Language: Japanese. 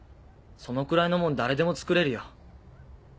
そのくらいのもん誰でも作れるよ。